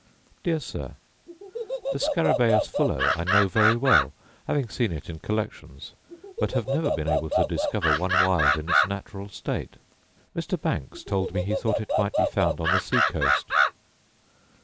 Dear Sir, The scarabaeus fullo I know very well, having seen it in collections; but have never been able to discover one wild in its natural state. Mr. Banks told me he thought it might be found on the sea coast.